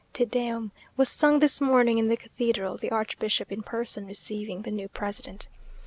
Te Deum was sung this morning in the cathedral, the archbishop in person receiving the new president.